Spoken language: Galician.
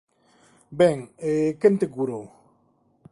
Ben, e quen te curou?